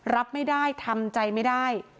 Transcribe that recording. รับไม่ได้ทำใจไม่ได้